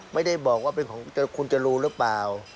ไม่ได้บอกว่าเป็นของคุณจรูนหรือเปล่า